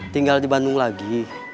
tinggal di bandung lagi